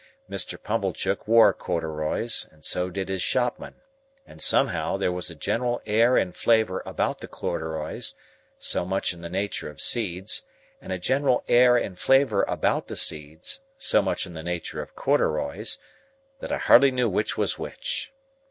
Mr. Pumblechook wore corduroys, and so did his shopman; and somehow, there was a general air and flavour about the corduroys, so much in the nature of seeds, and a general air and flavour about the seeds, so much in the nature of corduroys, that I hardly knew which was which.